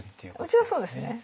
うちはそうですね。